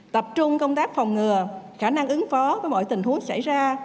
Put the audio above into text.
tập trung công tác phòng ngừa khả năng ứng phó với mọi tình huống xảy ra